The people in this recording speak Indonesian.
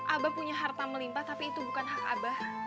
abah punya harta melimpa tapi itu bukan hak abah